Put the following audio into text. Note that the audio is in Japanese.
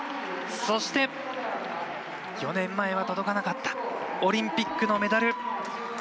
そして、４年前は届かなかったオリンピックのメダル。